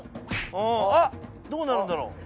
あっどうなるんだろう